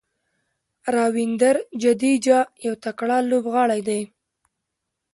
راوېندر جډیجا یو تکړه لوبغاړی دئ.